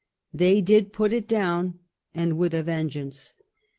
They did put it down, and with a vengeance.